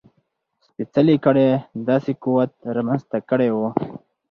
سپېڅلې کړۍ داسې قوت رامنځته کړی و.